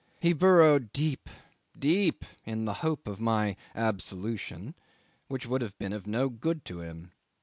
He burrowed deep, deep, in the hope of my absolution, which would have been of no good to him.